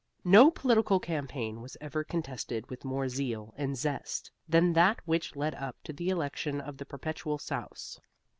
No political campaign was ever contested with more zeal and zest than that which led up to the election of the Perpetual Souse.